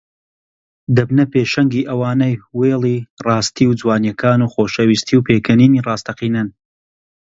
دەبنە پێشەنگی ئەوانەی وێڵی ڕاستی و جوانییەکان و خۆشەویستی و پێکەنینی ڕاستەقینەن